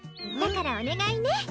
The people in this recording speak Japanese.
だからお願いね！